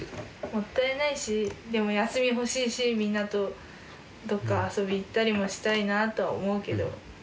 もったいないしでも休み欲しいしみんなとどっか遊び行ったりもしたいなぁとは思うけど。